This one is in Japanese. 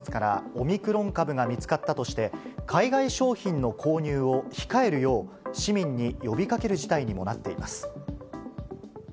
海外の郵便物からオミクロン株が見つかったとして、海外商品の購入を控えるよう、市民に呼びかける事態にもなっています。